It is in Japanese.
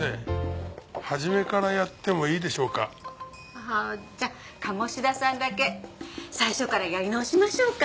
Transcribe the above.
ああじゃあ鴨志田さんだけ最初からやり直しましょうか。